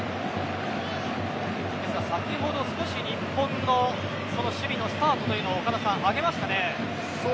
先ほど、少し日本の守備のスタートというのを岡田さん、上げましたね。